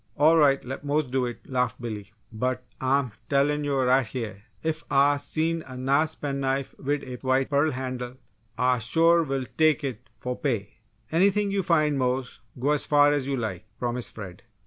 "All right let Mose do it!" laughed Billy. "But Ah'm tellin' yo' right heah ef Ah see a nice pen knife wid a white pearl han'le Ah sure will tek it fo' pay!" "Anything you find, Mose! Go as far as you like!" promised Fred.